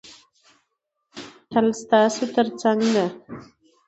تل ستاسو تر څنګ ده.